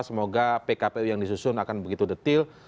semoga pkpu yang disusun akan begitu detil